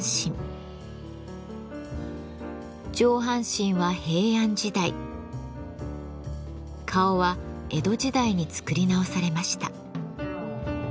上半身は平安時代顔は江戸時代に造り直されました。